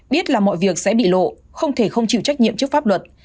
biết là mọi việc sẽ bị lộ không thể không chịu trách nhiệm trước pháp luật